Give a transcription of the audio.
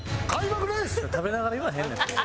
食べながら言わへんねん。